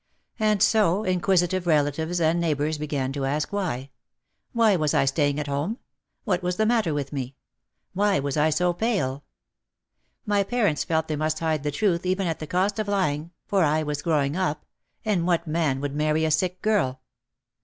And so, inquisitive relatives and neighbours began to ask why? Why was I staying at home ? What was the matter with me ? Why was I so pale ? My parents felt they must hide the truth even at the cost of lying, for I was growing up — and what man would marry a sick girl